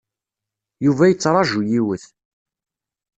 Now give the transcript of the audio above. Yuba yettṛaju yiwet.